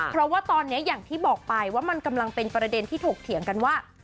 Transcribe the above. เพราะว่าตอนนี้อย่างที่บอกไปว่ามันกำลังเป็นประเด็นที่ถกเถียงกันว่า